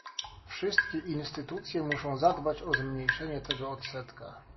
Wszystkie instytucje muszą zadbać o zmniejszenie tego odsetka